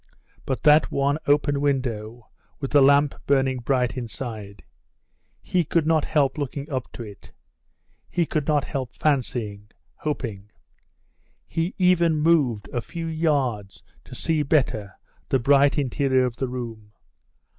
But that one open window, with the lamp burning bright inside he could not help looking up to it he could not help fancying hoping. He even moved a few yards to see better the bright interior of the room.